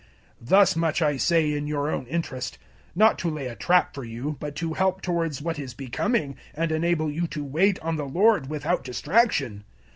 007:035 Thus much I say in your own interest; not to lay a trap for you, but to help towards what is becoming, and enable you to wait on the Lord without distraction.